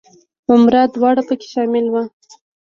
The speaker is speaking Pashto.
عمره دواړه په کې شامل وو.